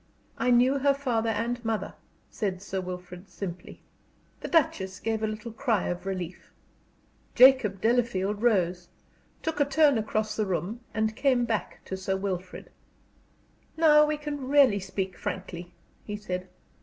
"I knew her father and mother," said Sir Wilfrid, simply. The Duchess gave a little cry of relief. Jacob Delafield rose, took a turn across the room, and came back to Sir Wilfrid. "Now we can really speak frankly," he said.